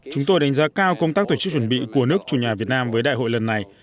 chúng tôi đánh giá cao công tác tổ chức chuẩn bị của nước chủ nhà việt nam với đại hội lần này